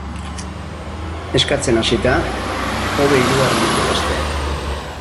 Eskatzen hasita, hobe hirugarrenetik hastea.